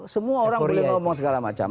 semua orang boleh ngomong segala macam